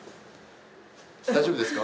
大丈夫ですか？